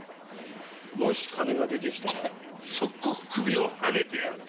もし金が出てきたら即刻首をはねてやる！